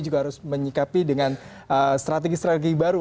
juga harus menyikapi dengan strategi strategi baru